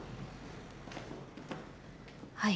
はい。